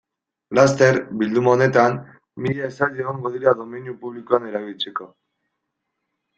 Laster, bilduma honetan, mila esaldi egongo dira domeinu publikoan erabiltzeko.